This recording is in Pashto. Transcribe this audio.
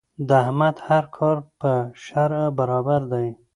د احمد هر کار د په شرعه برابر دی.